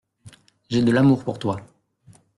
J’ai de l’amour pour toi.